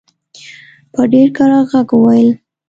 په ډېر کرار ږغ وویل.